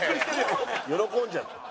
喜んじゃってる。